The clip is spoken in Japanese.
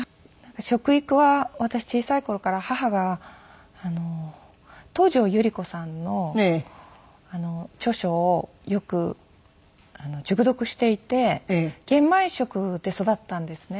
食育は私小さい頃から母が東城百合子さんの著書をよく熟読していて玄米食で育ったんですね。